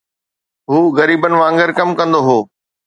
هو غريبن وانگر ڪم ڪندو هو